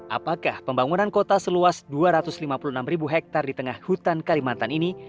apakah pembangunan kota seluas dua ratus lima puluh enam ribu hektare di tengah hutan kalimantan ini